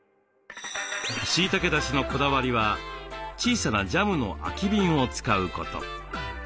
しいたけだしのこだわりは小さなジャムの空き瓶を使うこと。